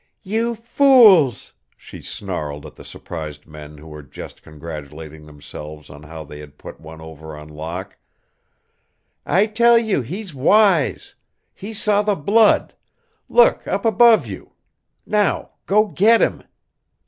"You fools!" she snarled at the surprised men who were just congratulating themselves on how they had put one over on Locke. "I tell you he's wise. He saw the blood. Look up above you. Now go get him."